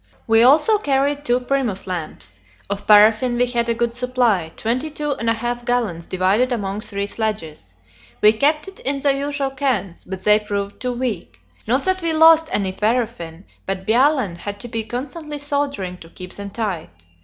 We also carried two Primus lamps. Of paraffin we had a good supply: twenty two and a half gallons divided among three sledges. We kept it in the usual cans, but they proved too weak; not that we lost any paraffin, but Bjaaland had to be constantly soldering to keep them tight.